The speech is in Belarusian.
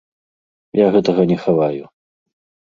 Я гэтага не хаваю.